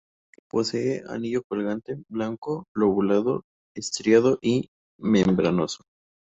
Posee anillo colgante, blanco, lobulado, estriado y membranoso.